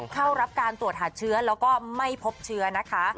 เข้ารับการตรวจหาเชื้อแล้วก็ไม่พบเชื้อนะคะ